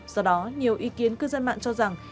do đó nhiều ý kiến cư dân mạng cho rằng